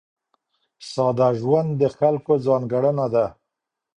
ساده ژوند د خلکو ځانګړنه ده.